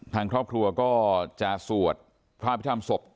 ทางครอบครัวก็จะสวดพระอภิษฐรรมศพ